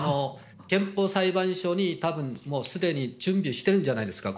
憲法裁判所にたぶん、もうすでに準備してるんじゃないですか。